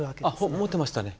本持ってましたね。